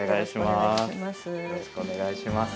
よろしくお願いします。